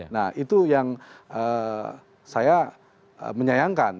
nah itu yang saya menyayangkan